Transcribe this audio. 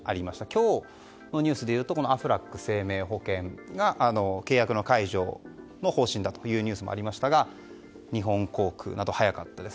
今日のニュースでいうとアフラック生命保険が契約の解除の方針だというニュースがありましたが日本航空など、早かったです。